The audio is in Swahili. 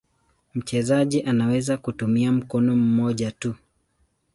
Mchezaji anaweza kutumia mkono mmoja tu.